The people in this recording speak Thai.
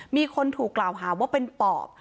มีคนถูกกล่าวหาว่าเป็นปอบ